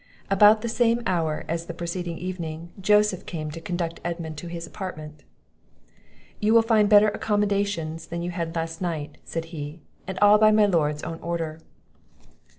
About the same hour as the preceding evening, Joseph came to conduct Edmund to his apartment. "You will find better accommodations than you had last night," said he, "and all by my lord's own order."